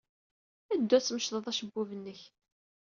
Ddu ad tmecḍed acebbub-nnek.